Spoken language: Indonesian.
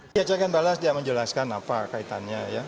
di acara yang balas dia menjelaskan apa kaitannya ya